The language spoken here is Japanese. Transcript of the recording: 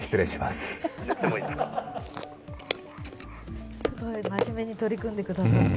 すごい真面目に取り組んでくださって。